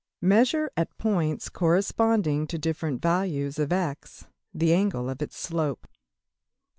Measure at points corresponding to different values of~$x$, the angle of its slope.